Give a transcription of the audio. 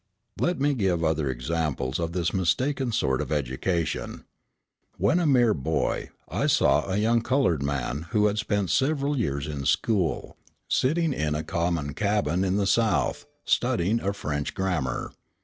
Let me give other examples of this mistaken sort of education. When a mere boy, I saw a young coloured man, who had spent several years in school, sitting in a common cabin in the South, studying a French grammar.